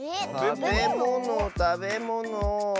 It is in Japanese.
たべものたべもの。